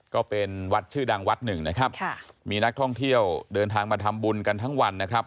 ก็เป็นวัดชื่อดังวัดหนึ่งนะครับค่ะมีนักท่องเที่ยวเดินทางมาทำบุญกันทั้งวันนะครับ